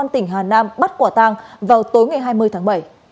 tỉnh hà nam bắt quả tang vào tối ngày hai mươi tháng bảy